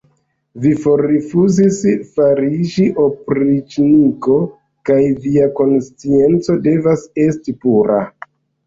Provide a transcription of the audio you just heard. Vi forrifuzis fariĝi opriĉniko, kaj via konscienco devas esti pura!